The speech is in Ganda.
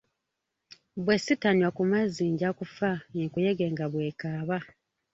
Bwe ssitanywa ku mazzi nja kuffa, enkuyege nga bw'ekaaba.